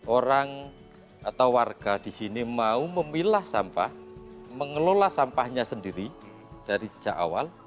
orang atau warga di sini mau memilah sampah mengelola sampahnya sendiri dari sejak awal